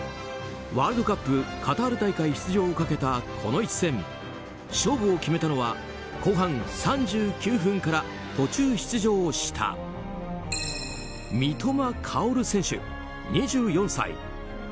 ワールドカップカタール大会出場をかけたこの一戦勝負を決めたのは後半３９分から途中出場した三笘薫選手、２４歳。